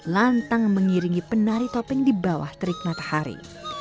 lantang mengiringi penari topeng di bawah terik matahari